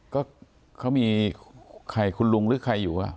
ก็เขามีใครคุณลุงหรือใครอยู่